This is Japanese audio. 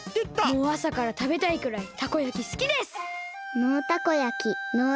もうあさからたべたいくらいたこ焼きすきです！